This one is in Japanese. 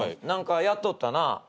何かやっとったな。